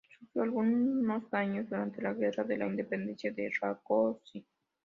Sufrió algunos daños durante la Guerra de la Independencia de Rákóczi.